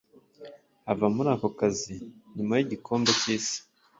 ava muri ako kazi nyuma y’gikombe cy’isi